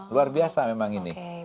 luar biasa memang ini